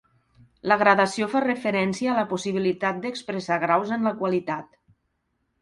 La gradació fa referència a la possibilitat d'expressar graus en la qualitat.